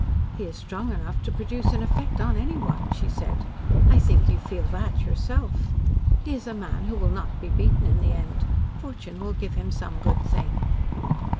"He is strong enough to produce an effect on anyone," she said. "I think you feel that yourself. He is a man who will not be beaten in the end. Fortune will give him some good thing."